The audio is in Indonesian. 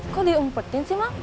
kok diumpetin sih ma